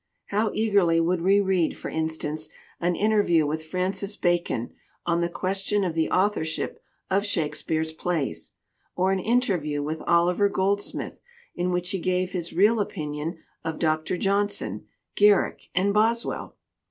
How eagerly would we read, for instance, an interview with Francis Bacon on the question of the author ship of Shakespeare's plays, or an interview with Oliver Goldsmith in which he gave his real opinion of Dr. Johnson, Garrick, and Boswell!